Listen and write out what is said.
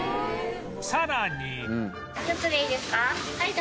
さらに